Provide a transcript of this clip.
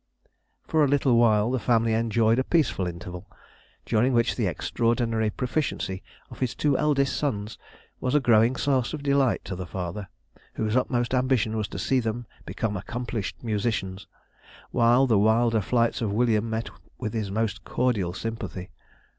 For a little while the family enjoyed a peaceful interval, during which the extraordinary proficiency of his two eldest sons was a growing source of delight to the father, whose utmost ambition was to see them become accomplished musicians; while the wider flights of William met with his most cordial sympathy.